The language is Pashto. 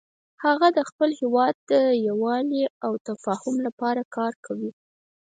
هغه د خپل هیواد د یووالي او تفاهم لپاره کار کوي